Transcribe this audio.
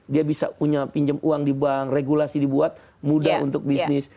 dia bisa punya pinjam uang di bank regulasi dibuat mudah untuk bisnis